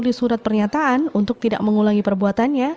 diberi surat pernyataan untuk tidak mengulangi perbuatannya